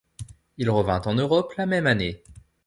Il revint en Europe la même année.